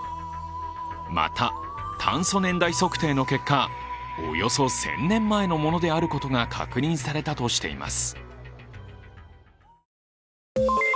また、炭素年代測定の結果、およそ１０００年前のものであることが確認されたとしています。